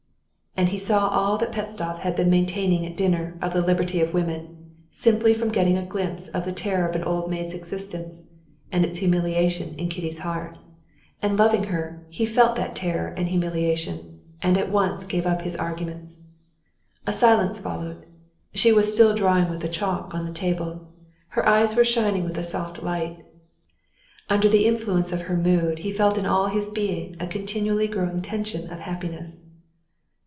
And he saw all that Pestsov had been maintaining at dinner of the liberty of woman, simply from getting a glimpse of the terror of an old maid's existence and its humiliation in Kitty's heart; and loving her, he felt that terror and humiliation, and at once gave up his arguments. A silence followed. She was still drawing with the chalk on the table. Her eyes were shining with a soft light. Under the influence of her mood he felt in all his being a continually growing tension of happiness.